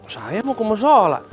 saya mau ke mushollah